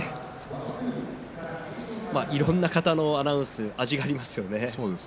いろんな方のアナウンス味がありますね。